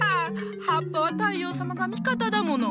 葉っぱは太陽様が味方だもの。